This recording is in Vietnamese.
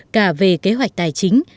cả về kế hoạch tài chính